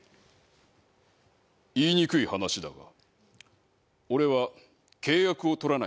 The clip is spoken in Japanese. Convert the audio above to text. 言いにくい話だが俺は契約を取らないと帰れないんだ。